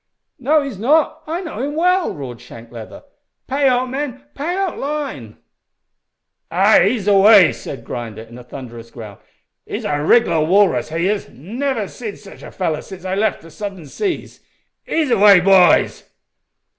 "No, he's not, I know him well!" roared Shank Leather. "Pay out, men pay out line!" "Ay, ease away," said Grinder, in a thunderous growl. "He's a rigler walrus, he is. Niver see'd sich a feller since I left the southern seas. Ease away, boys."